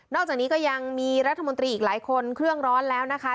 อกจากนี้ก็ยังมีรัฐมนตรีอีกหลายคนเครื่องร้อนแล้วนะคะ